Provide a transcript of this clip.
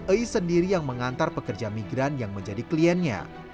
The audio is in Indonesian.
ais sendiri yang mengantar pekerja migran yang menjadi kliennya